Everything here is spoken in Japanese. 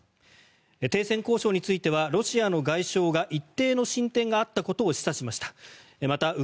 停戦交渉についてはロシアの外相が一定の進展があったことを示唆しました。